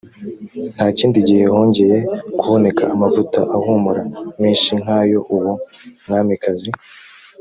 nta kindi gihe hongeye kuboneka amavuta ahumura menshi nk ayo uwo mwamikazi